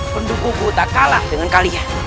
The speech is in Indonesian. pendukungku tak kalah dengan kalian